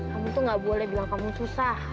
kamu tuh gak boleh bilang kamu susah